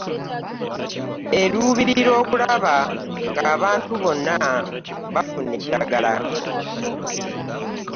Eruubirira okulaba ng'abantu bonna bafuna eddagala